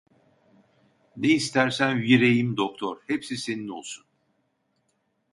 Ne istersen vireyim doktor. Hepsi senin olsun…